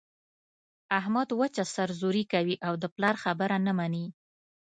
احمد وچه سر زوري کوي او د پلار خبره نه مني.